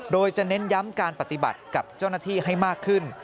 โดยจะเน้นย้ำการปฏิบัติกับเจ้าหน้าที่ให้มากขึ้น